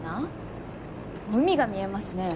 海が見えますね。